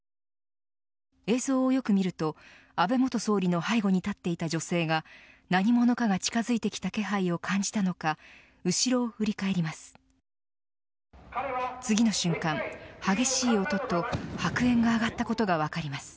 映像をよく見ると安倍元総理の背後に立っていた女性が何者かが近づいてきた気配を感じたのか後ろを振り返ります。